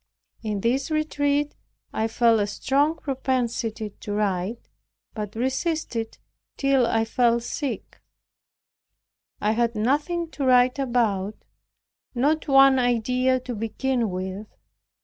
In this retreat I felt a strong propensity to write, but resisted it till I fell sick. I had nothing to write about, not one idea to begin with.